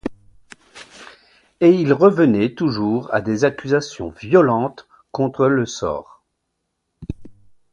Et il revenait toujours à des accusations violentes contre le sort.